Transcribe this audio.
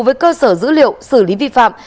với cơ sở dữ liệu xử lý vi phạm